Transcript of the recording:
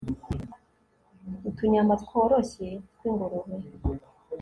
utunyama tworoshye twingurube